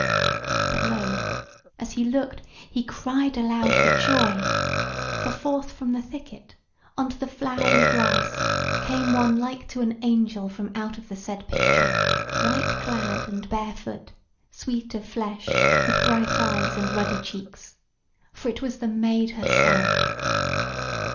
But lo! as he looked he cried aloud for joy, for forth from the thicket on to the flowery grass came one like to an angel from out of the said picture, white clad and bare foot, sweet of flesh, with bright eyes and ruddy cheeks; for it was the Maid herself.